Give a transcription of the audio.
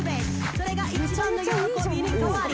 それが１番の喜びに変わり）